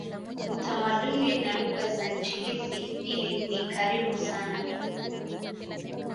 Utamaduni na lugha za nchi hizi mbili ni karibu sana.